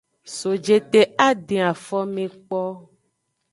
So jete a den afome kpo.